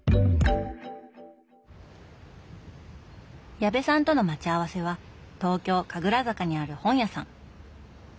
矢部さんとの待ち合わせは東京・神楽坂にある本屋さん。